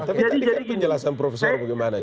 tapi tadi kan penjelasan profesor bagaimana